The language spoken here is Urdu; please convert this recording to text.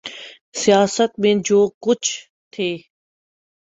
سیاست میں جو کچھ تھے۔